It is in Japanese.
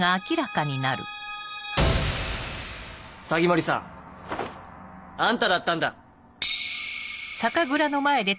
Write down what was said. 鷺森さんあんただったんだ。